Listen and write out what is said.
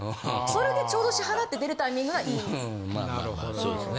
それでちょうど支払って出るタイミングがいいんです。